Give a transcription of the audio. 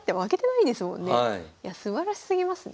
いやすばらしすぎますね。